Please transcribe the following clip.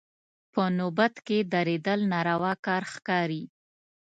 په نوبت کې درېدل ناروا کار ښکاري.